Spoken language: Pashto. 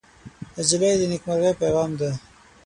نجلۍ د نیکمرغۍ پېغام ده.